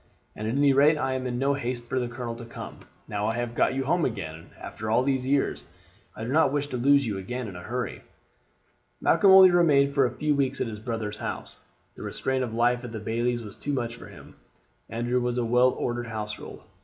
At any rate I am in no haste for the colonel to come. Now I have got you home again after all these years, I do not wish to lose you again in a hurry." Malcolm only remained for a few weeks at his brother's house. The restraint of life at the bailie's was too much for him. Andrew's was a well ordered household.